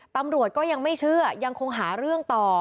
ตำรวจก็ยังไม่เชื่อยังคงหาเรื่องต่อ